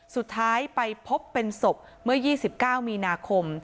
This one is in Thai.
สุดท้ายไปพบเป็นศพเมื่อ๒๙มีนาคม